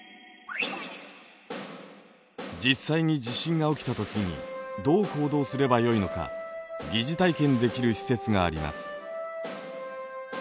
実際に地震が起きた時にどう行動すればよいのか疑似体験できる施設があります。